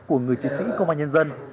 của người chiến sĩ công an nhân dân